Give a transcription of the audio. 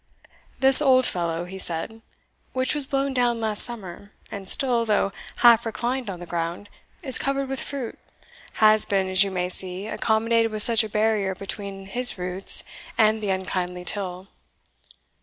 "This old fellow," he said, "which was blown down last summer, and still, though half reclined on the ground, is covered with fruit, has been, as you may see, accommodated with such a barrier between his roots and the unkindly till.